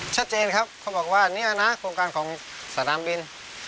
ชัดเจนครับเขาบอกว่าเนี่ยนะโครงการของสนามบิน